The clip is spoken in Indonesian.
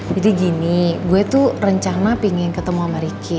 jadi gini gue tuh rencana pingin ketemu sama riki